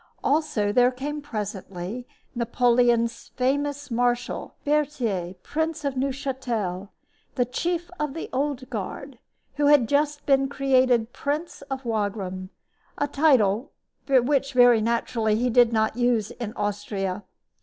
Also, there came presently Napoleon's famous marshal, Berthier, Prince of Neuchatel, the chief of the Old Guard, who had just been created Prince of Wagram a title which, very naturally, he did not use in Austria.